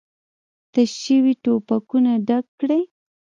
تش شوي ټوپکونه ډک کړئ!